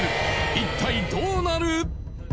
一体どうなる？